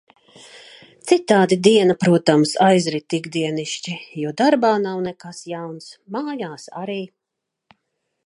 Citādi diena, protams, aizrit ikdienišķi, jo darbā nav nekas jauns, mājās arī.